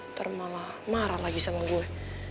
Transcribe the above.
ntar malah marah lagi sama gue